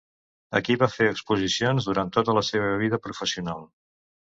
Aquí va fer exposicions durant tota la seva vida professional.